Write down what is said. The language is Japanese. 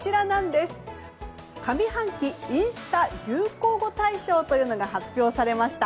上半期インスタ流行語大賞が発表されました。